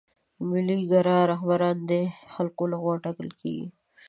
ملي ګرا رهبران د خلکو له خوا ټاکل کیږي.